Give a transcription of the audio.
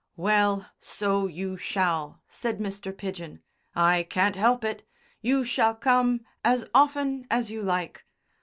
"Well, so you shall," said Mr. Pidgen. "I can't help it. You shall come as often as you like.